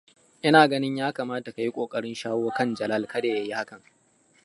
Ina ganin yakamata kayi kokarin shawo kan Jalal kada yayi hakan.